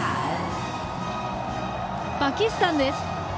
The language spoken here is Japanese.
パキスタンです。